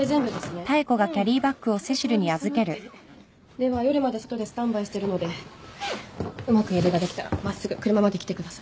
では夜まで外でスタンバイしてるのでうまく家出ができたら真っすぐ車まで来てください。